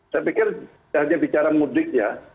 saya pikir tidak hanya bicara mudik ya